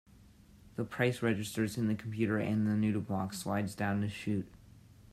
The price registers in the computer and the noodle box slides down a chute.